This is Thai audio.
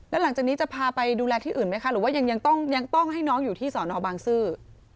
แล้วหลังจากนี้จะพาไปดูแลที่อื่นไหมคะหรือว่ายังต้องยังต้องให้น้องอยู่ที่สอนอบางซื่อ